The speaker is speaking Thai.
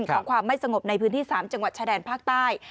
ของความไม่สงบในพื้นที่๓จังหวัดชายแดนภาคใต้